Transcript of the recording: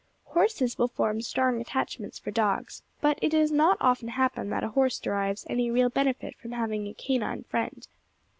= Horses will form strong attachments for dogs, but it does not often happen that a horse derives any real benefit from having a canine friend.